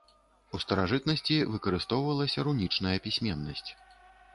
У старажытнасці выкарыстоўвалася рунічная пісьменнасць.